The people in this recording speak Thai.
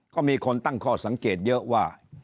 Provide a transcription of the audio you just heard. ก็มีคนตั้งข้อสังเกตเยอะว่า